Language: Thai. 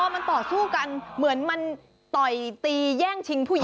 มันต่อสู้กันเหมือนมันต่อยตีแย่งชิงผู้หญิง